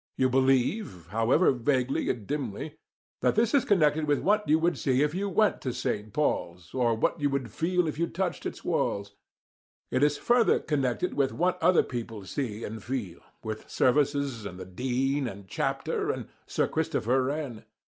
You believe, however vaguely and dimly, that this is connected with what you would see if you went to St. Paul's, or what you would feel if you touched its walls; it is further connected with what other people see and feel, with services and the Dean and Chapter and Sir Christopher Wren.